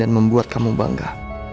dan membuat kamu bangga